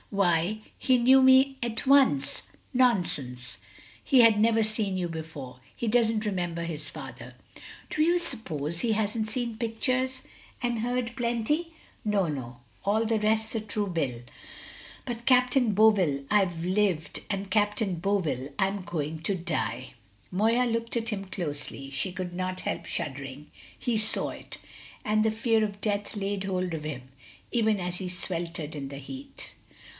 "Why, he knew me at once!" "Nonsense! He had never seen you before; he doesn't remember his father." "Do you suppose he hasn't seen pictures, and heard plenty? No, no; all the rest's a true bill; but Captain Bovill I've lived, and Captain Bovill I'm going to die." Moya looked at him closely. She could not help shuddering. He saw it, and the fear of death laid hold of him, even as he sweltered in the heat.